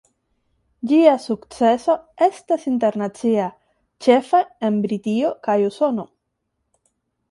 Ĝia sukceso estas internacia, ĉefe en Britio kaj Usono.